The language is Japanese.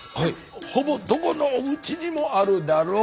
ほぼどこのおうちにもあるだろう。